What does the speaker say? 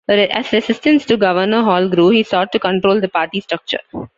As resistance to Governor Hall grew, he sought to control the party structure.